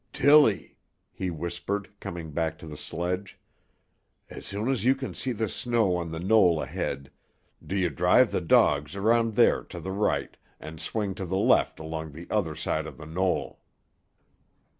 "Tillie," he whispered, coming back to the sledge, "as soon as you can see the snow on the knoll ahead do you drive the dogs around there, to the right, and swing to the left along the other side of the knoll.